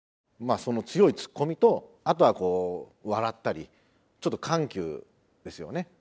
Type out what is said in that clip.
まあその強いツッコミとあとはこう笑ったりちょっと緩急ですよね。